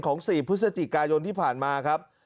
๔พฤศจิกายนที่ผ่านมาครับ